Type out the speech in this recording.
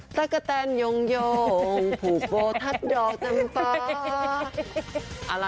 ตั๊กกะแตนโยงโยงผูกโบทัศน์ดอกจำปลา